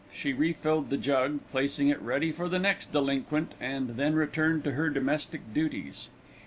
She refilled the jug, placing it ready for the next delinquent and then returned to her domestic duties.